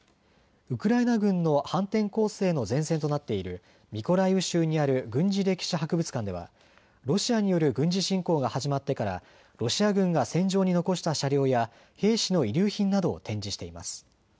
ウクライナ軍の反転攻勢の前線となっているミコライウ州にある軍事歴史博物館ではロシアによる軍事進攻が始まってからロシア軍が戦場に残した車両や兵士の遺留品などを展示しています。